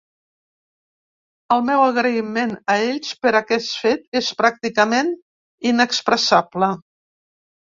El meu agraïment a ells per aquest fet és pràcticament inexpressable.